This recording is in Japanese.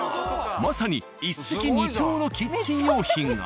まさに一石二鳥のキッチン用品が。